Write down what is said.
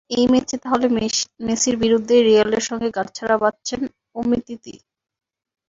এই ম্যাচে তাহলে মেসির বিরুদ্ধেই রিয়ালের সঙ্গে গাঁটছড়া বাঁধছেন উমিতিতি ।